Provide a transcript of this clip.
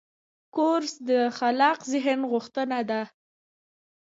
کورس د خلاق ذهن غوښتنه ده.